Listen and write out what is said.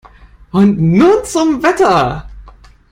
Und nun zum Wetter.